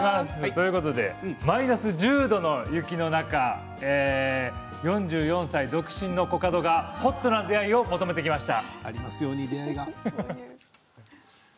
マイナス１０度の雪の中４４歳独身のコカドがホットな出会いを求めてきました。